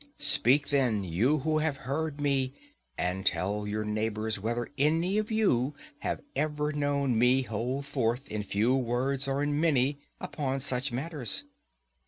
Speak then, you who have heard me, and tell your neighbours whether any of you have ever known me hold forth in few words or in many upon such matters...